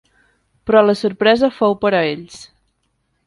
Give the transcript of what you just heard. Però la sorpresa fou pera ells